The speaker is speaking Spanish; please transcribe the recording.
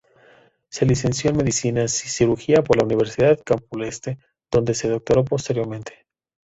Se licenció en medicina y cirugía por la Universidad Complutense donde se doctoró posteriormente.